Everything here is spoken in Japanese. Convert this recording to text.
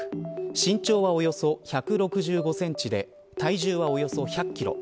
身長はおよそ１６５センチで体重はおよそ１００キロ。